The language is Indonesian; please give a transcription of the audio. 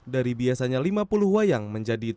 dari biasanya lima puluh wayang menjadi tujuh puluh lima wayang